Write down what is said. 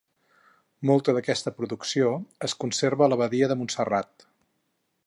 Molta d'aquesta producció es conserva a l'abadia de Montserrat.